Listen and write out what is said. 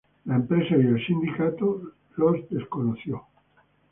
La empresa y el sindicato los desconoció.